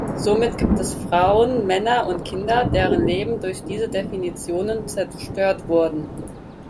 Somit gibt es Frauen, Männer und Kinder, deren Leben durch diese Definitionen zerstört wurden.